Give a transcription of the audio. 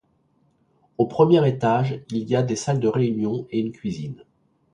Au premier étage, il y a des salles de réunion et une cuisine.